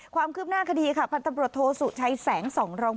ความคืบหน้าคดีค่ะพันธบรวจโทสุชัยแสงส่องรอง